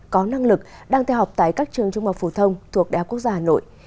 có năng lực đang theo học tại các trường trung học phổ thông thuộc đại học quốc gia hà nội